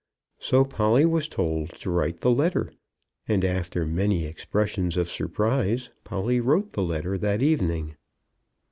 So Polly was told to write the letter, and after many expressions of surprise, Polly wrote the letter that evening.